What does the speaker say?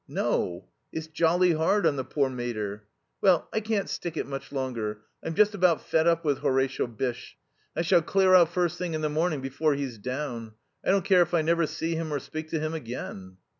"No; it's jolly hard on the poor mater.... Well, I can't stick it much longer. I'm just about fed up with Horatio Bysshe. I shall clear out first thing in the morning before he's down. I don't care if I never see him or speak to him again."